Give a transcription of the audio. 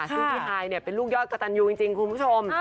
ซึ่งพี่ฮายเป็นลูกยอดกระตันยูจริงคุณผู้ชม